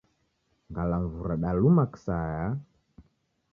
Ngalamvu radaluma kisaya.